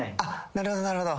なるほどなるほど。